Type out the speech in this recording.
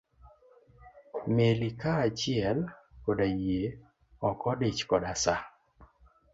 meli kaa achiel koda yie ok odich koda sa.